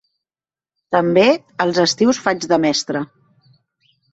També, els estius faig de mestra.